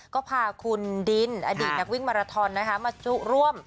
ก็พาคุณดินอดีตนักวิ่งมาราทอนนะคะมาจุร่วม